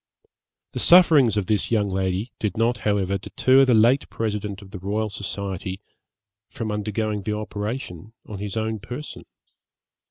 The sufferings of this young lady did not however deter the late President of the Royal Society from undergoing the operation on his own person.